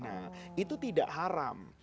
nah itu tidak haram